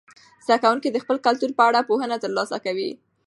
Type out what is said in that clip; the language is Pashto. زده کوونکي د خپل کلتور په اړه پوهنه ترلاسه کوي.